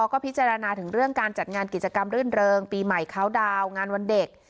ก็พิจารณาถึงเรื่องการจัดงานกิจกรรมรื่นเริงปีใหม่เขาดาวน์งานวันเด็ก